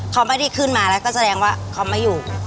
เขาไม่ได้ขึ้นมาแล้วก็แสดงว่าเขาไม่อยู่